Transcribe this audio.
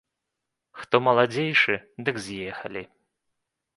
Хто маладзейшы, дык з'ехалі.